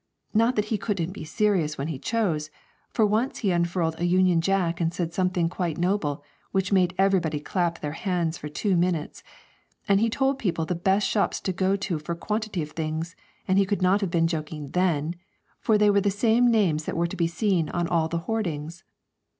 Not that he couldn't be serious when he chose for once he unfurled a Union Jack and said something quite noble, which made everybody clap their hands for two minutes; and he told people the best shops to go to for a quantity of things, and he could not have been joking then, for they were the same names that were to be seen on all the hoardings.